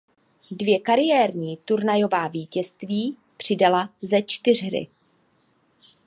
Dvě kariérní turnajová vítězství přidala ze čtyřhry.